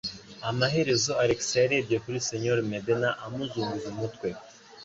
Amaherezo Alex yarebye kuri Señor Medena, amuzunguza umutwe.